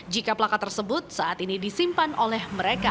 jika plakat tersebut saat ini disimpan oleh mereka